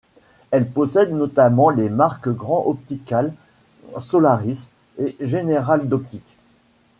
Elle possède notamment les marques Grand Optical, Solaris et Générale d'Optique.